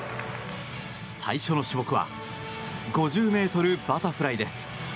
最初の種目は５０ｍバタフライです。